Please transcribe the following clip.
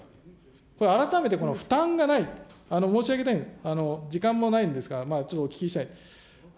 これ、改めて負担がない、申し上げたい、時間もないのですが、ちょっとお聞きしたい。